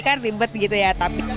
kan ribet gitu ya